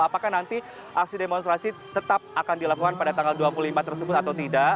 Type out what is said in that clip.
apakah nanti aksi demonstrasi tetap akan dilakukan pada tanggal dua puluh lima tersebut atau tidak